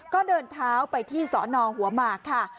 ก็เดินเท้าไปที่สอนอหัวหมากค่ะ